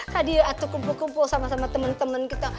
tadi aku kumpul kumpul sama sama temen temen kita